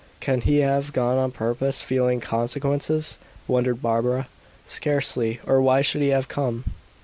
"Can he have gone on purpose, fearing consequences?" wondered Barbara. "Scarcely; or why should he have come?"